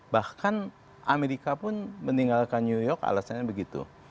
bahkan amerika pun meninggalkan new york alasannya begitu